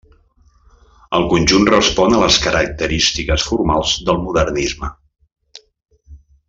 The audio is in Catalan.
El conjunt respon a les característiques formals del Modernisme.